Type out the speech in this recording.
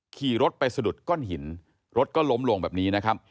ขี่รถไปสะดุดก้อนหินรถก็ล้มลงแบบนี้นะครับ